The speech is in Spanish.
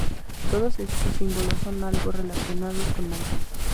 Todos estos símbolos son algo relacionados con Malta.